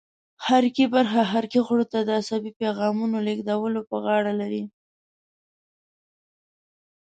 حرکي برخه حرکي غړو ته د عصبي پیغامونو لېږدولو په غاړه لري.